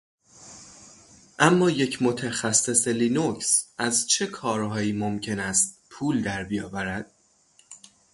اما یک متخصص لینوکس از چه کارهایی ممکن است پول در بیاورد؟